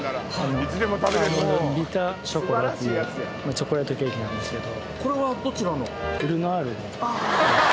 チョコレートケーキなんですけど。